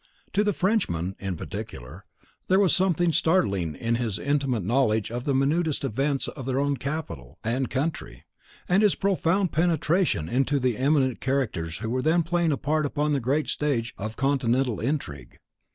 To the Frenchmen, in particular, there was something startling in his intimate knowledge of the minutest events in their own capital and country, and his profound penetration (evinced but in epigrams and sarcasms) into the eminent characters who were then playing a part upon the great stage of continental intrigue.